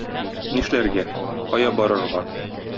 Нишләргә, кая барырга?